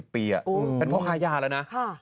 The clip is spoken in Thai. ปีเป็นพ่อค้ายาแล้วนะ